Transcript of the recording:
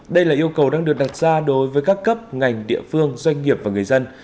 đây là yêu cầu đang được đặt ra đối với các cấp ngành địa phương doanh nghiệp và người dân